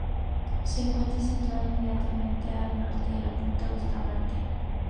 Se encuentra situada inmediatamente al norte de la punta Bustamante.